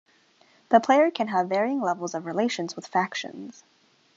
The player can have varying levels of relations with factions.